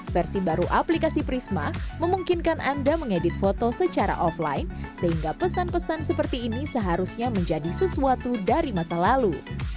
versi baru aplikasi prisma memungkinkan anda mengedit foto secara offline sehingga pesan pesan seperti ini seharusnya menjadi sesuatu dari masa lalu